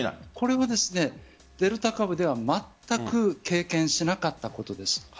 これはデルタ株ではまったく経験しなかったことです。